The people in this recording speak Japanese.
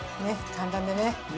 簡単でね。